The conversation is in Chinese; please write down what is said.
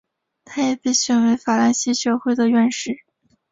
他也被选为法兰西学会的院士。